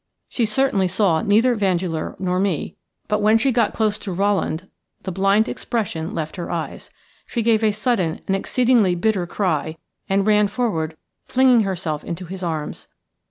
She certainly saw neither Vandeleur nor me, but when she got close to Rowland the blind expression left her eyes. She gave a sudden and exceedingly bitter cry, and ran forward, flinging herself into his arms.